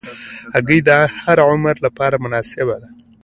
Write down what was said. هګۍ د هر عمر لپاره مناسبه ده.